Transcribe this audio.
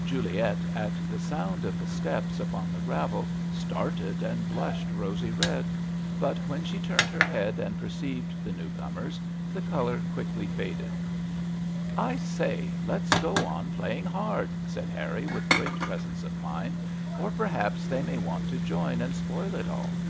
Juliet at sound of the steps upon the gravel started and blushed rosy red ; but when she turned her head and perceived the new comers, the colour quickly faded. " I say, let's go on playing hard," said Harry, with great pre sence of mind, " or perhaps they may want to join and spoil it all."